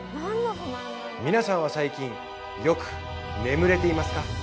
皆さんは最近よく眠れていますか？